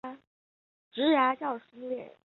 职涯教练也常被说是职涯指导。